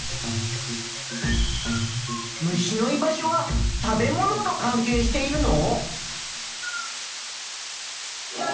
虫の居場所は食べものとかんけいしているの？